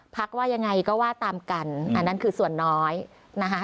พักว่ายังไงก็ว่าตามกันอันนั้นคือส่วนน้อยนะคะ